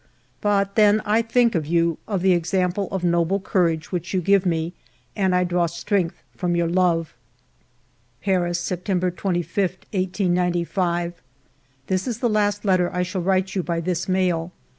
But then I think of you, of the example of noble courage which you give me, and I draw strength from your love." ... "Paris, September 25, 1895. " This is the last letter I shall write you by this mail.